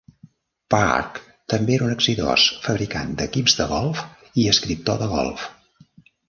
Park també era un exitós fabricant d'equips de golf i escriptor de golf.